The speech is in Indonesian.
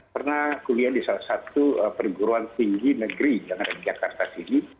pernah kuliah di salah satu perguruan tinggi negeri yang ada di jakarta sini